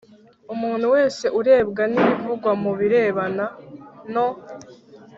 Umuntu wese urebwa n ibivugwa mu birebana no